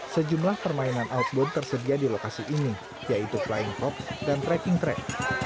sejumlah permainan outbound tersedia di lokasi ini yaitu flying pop dan tracking track